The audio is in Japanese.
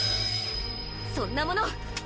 そんなもの！